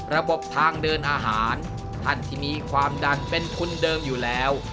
ระบบทางเดินอาหารท่านที่มีความดันเป็นทุนเดิมอยู่แล้ว